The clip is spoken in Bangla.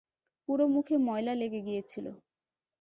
পুরো মুখে ময়লা লেগে গিয়েছিল।